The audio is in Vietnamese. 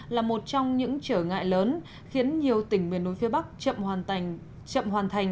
là một trong những trở ngại lớn khiến nhiều tỉnh miền núi phía bắc chậm hoàn thành